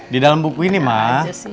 di dalam buku ini mas